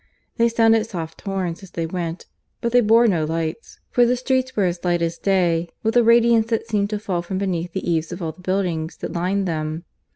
They sounded soft horns as they went, but they bore no lights, for the streets were as light as day with a radiance that seemed to fall from beneath the eaves of all the buildings that lined them.